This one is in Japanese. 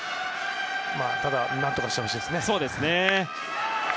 ただ、何とかしてほしいですね。